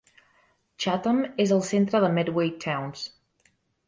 Chatham és el centre de Medway Towns.